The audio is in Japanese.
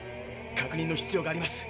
確認の必要があります。